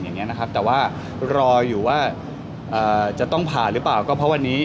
อย่างนี้นะครับแต่ว่ารออยู่ว่าจะต้องผ่าหรือเปล่าก็เพราะวันนี้